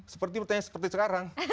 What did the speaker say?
seperti bertanya seperti sekarang